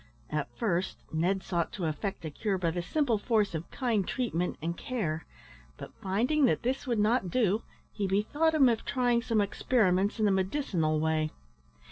At first Ned sought to effect a cure by the simple force of kind treatment and care; but finding that this would not do, he bethought him of trying some experiments in the medicinal way.